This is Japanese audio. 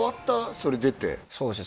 それ出てそうですね